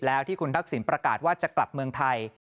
แล้วที่คุณทักษิณประกาศว่าจะกลับเมืองไทย